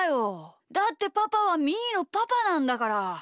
だってパパはみーのパパなんだから！